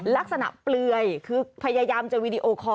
ลักษณะเปลือยคือพยายามจะวีดีโอคอร์